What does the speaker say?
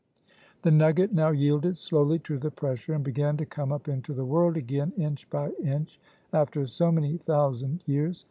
The nugget now yielded slowly to the pressure and began to come up into the world again inch by inch after so many thousand years.